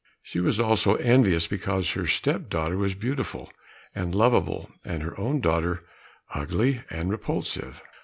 She was also envious because her step daughter was beautiful and lovable, and her own daughter ugly and repulsive.